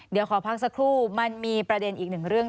เดี๋ยวขอพักสักครู่มันมีประเด็นอีกหนึ่งเรื่อง